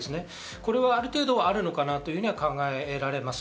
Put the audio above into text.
これはある程度あるのかなと考えられます。